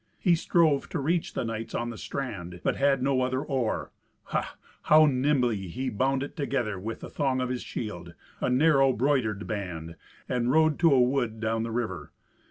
He strove to reach the knights on the strand, but had no other oar. Ha! how nimbly he bound it together with the thong of his shield, a narrow broidered band, and rowed to a wood down the river.